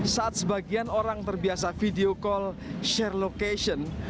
saat sebagian orang terbiasa video call share location